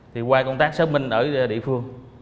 thì qua công tác xác minh ở địa phương